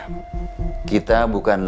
karena itu saya mencoba mendebarkan saya